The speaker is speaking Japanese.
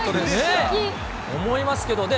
思いますけどね。